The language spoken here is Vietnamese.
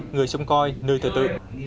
người trông coi nơi thờ tự